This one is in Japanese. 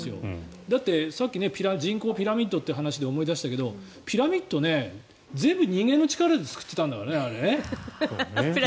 さっき人口ピラミッドという話で思い出したけどピラミッド、全部人間の力で作っていたんだからね。